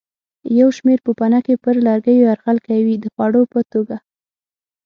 یو شمېر پوپنکي پر لرګیو یرغل کوي د خوړو په توګه.